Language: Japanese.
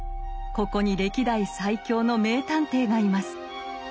ここに歴代最強の名探偵がいます。